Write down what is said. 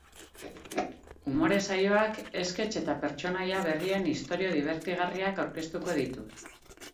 Umore saioak esketx eta pertsonaia berrien istorio dibertigarriak aurkeztuko ditu.